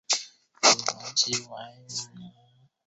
每项任务只被分配给一个员工。